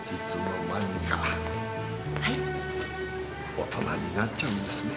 大人になっちゃうんですね。